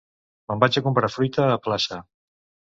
Me'n vaig a comprar fruita a plaça.